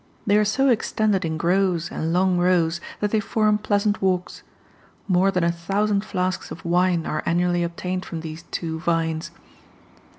They are so extended in groves and long rows that they form pleasant walks. More than a thousand flasks of wine are annually obtained from these two vines.